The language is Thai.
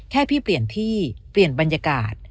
แค่พี่เปลี่ยนที่เปลี่ยนบรรยากาศ